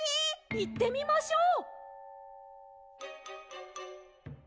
・いってみましょう。